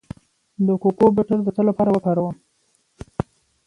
د کوکو بټر د څه لپاره وکاروم؟